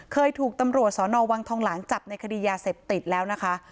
เคยถูกตำรวจสอนอวังทองหลางจับในคดียาเสพติดแล้วนะคะ